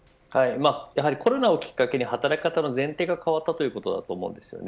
コロナをきっかけに働き方の前提が変わったということだと思います。